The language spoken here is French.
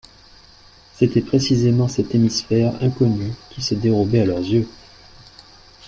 C’était précisément cet hémisphère inconnu qui se dérobait à leurs yeux!